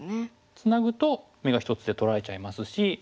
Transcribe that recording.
ツナぐと眼が１つで取られちゃいますし。